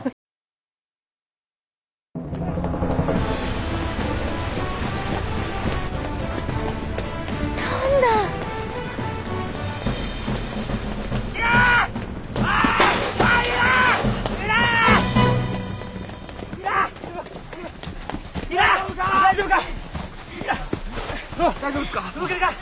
大丈夫か。